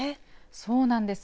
そうなんです。